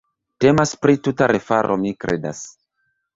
Temas pri tuta refaro, mi kredas.